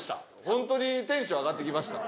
本当にテンション上がってきました。